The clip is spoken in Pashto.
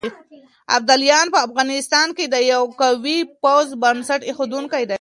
ابداليان په افغانستان کې د يوه قوي پوځ بنسټ اېښودونکي دي.